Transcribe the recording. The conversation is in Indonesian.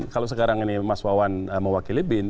kalau sekarang ini mas wawan mewakili bin